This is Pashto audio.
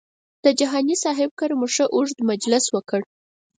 د جهاني صاحب کره مو ښه اوږد مجلس وکړ.